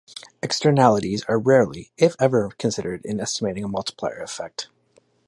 Externalities are rarely if ever considered in estimating a multiplier effect.